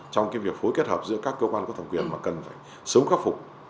trong cái việc phối kết hợp giữa các cơ quan có thẩm quyền mà cần phải sớm khắc phục